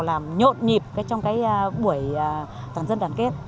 làm nhộn nhịp trong buổi toàn dân đoàn kết